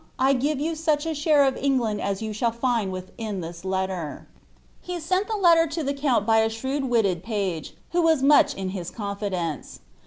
I give you such a share of England as you shall liiid within thia letter*' ilc sent the letter to the youne count by a shrewd willed page, who was much in his confidence.